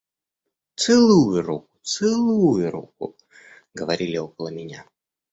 «Целуй руку, целуй руку!» – говорили около меня.